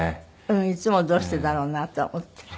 いつもどうしてだろうなと思っている。